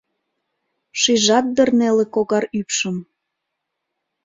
Шижат дыр неле когар ӱпшым.